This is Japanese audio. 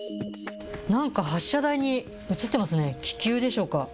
なんか発射台に、写ってますね、気球でしょうか。